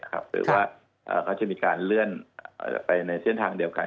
หรือว่าเขาจะมีการเลื่อนไปในเส้นทางเดียวกัน